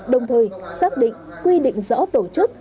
đồng thời xác định quy định rõ tổ chức